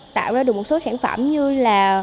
tạo ra được một số sản phẩm như là